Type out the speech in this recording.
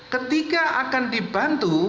ketika akan dibantu